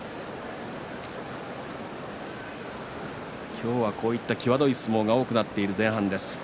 今日はこういった際どい相撲が多くなっている前半です。